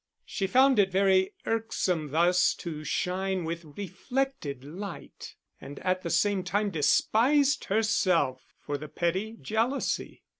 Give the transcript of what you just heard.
She found it very irksome thus to shine with reflected light, and at the same time despised herself for the petty jealousy.